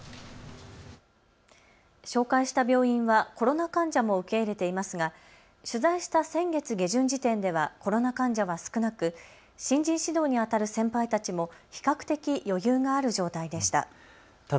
紹介した病院はコロナ患者も受け入れていますが、取材した先月下旬時点ではコロナ患者は少なく、新人指導にあたる先輩たちも比較的、余裕がある状態でした。